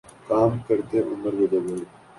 کام کرتے عمر گزر گئی